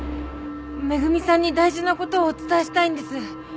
恵さんに大事な事をお伝えしたいんです。